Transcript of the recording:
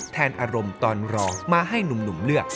อารมณ์ตอนรอมาให้หนุ่มเลือก